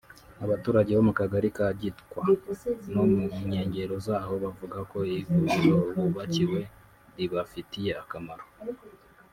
Abaturage bo mu kagari ka Gitwa no mu nkengero zaho bavuga ko ivuriro bubakiwe ribafitiye akamaro